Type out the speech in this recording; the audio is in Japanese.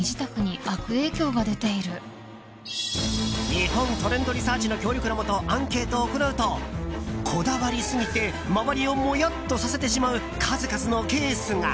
日本トレンドリサーチの協力のもとアンケートを行うとこだわりすぎて周りをモヤッとさせてしまう数々のケースが。